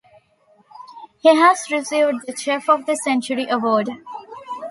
He has received the "Chef of the Century" award.